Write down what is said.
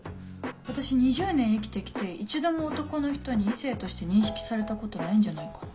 私２０年生きて来て一度も男の人に異性として認識されたことないんじゃないかな。